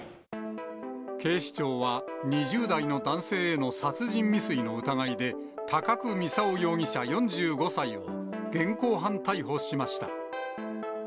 警視庁は２０代の男性への殺人未遂の疑いで、高久操容疑者４５歳を、現行犯逮捕しました。